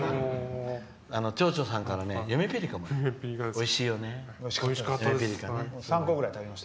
町長さんからゆめぴりかをもらうおいしかった。